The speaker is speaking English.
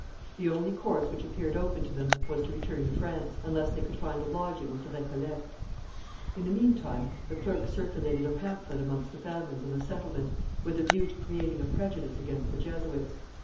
The only course which appeared open to them was to return to France, unless they could find a lodging with the Récollets. In the meantime the clerks circulated a pamphlet amongst the families of the settlement, with a view to creating a prejudice against the Jesuits.